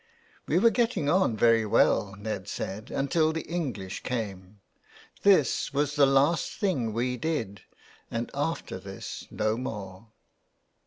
" We were getting on very well," Ned said, " until the English came. This was the last thing we did and after this no more."